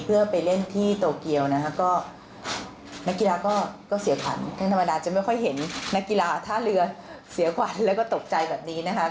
เพื่อไปเล่นที่โตเกียวนะคะก็นักกีฬาก็เสียขวัญทั้งธรรมดาจะไม่ค่อยเห็นนักกีฬาท่าเรือเสียขวัญแล้วก็ตกใจแบบนี้นะคะ